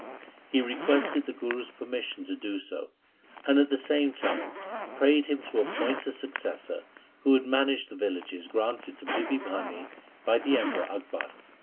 He requested the Guru's permission to do so, and at the same time prayed him to appoint a successor who would manage the villages granted to Bibi Bhani by the Emperor Akbar.